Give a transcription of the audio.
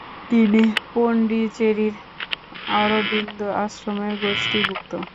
তিনি পণ্ডিচেরির অরবিন্দ আশ্রমের গোষ্ঠীভুক্ত।